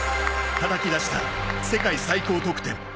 たたき出した世界最高得点。